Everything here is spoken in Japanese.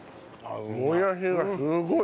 もやしがすごい！